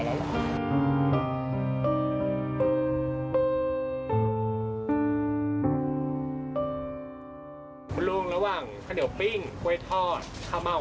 คุณลุงระหว่างข้าวเหนียวปิ้งกล้วยทอดข้าวเม่า